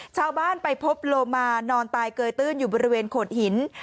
ชาวบ้านไปพบโลมานอนตายเกยตื้นอยู่บริเวณโขดหิน